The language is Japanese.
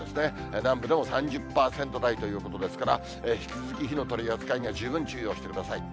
南部でも３０％台ということですから、引き続き火の取り扱いには十分注意をしてください。